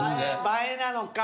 映えなのか。